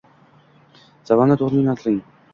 Savolni to’g’ri yo’naltiring